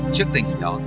trước tình hình đó